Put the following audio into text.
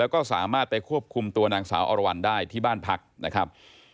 แล้วก็สามารถไปควบคุมตัวนางสาวอรวรรณได้ที่บ้านพักนะครับ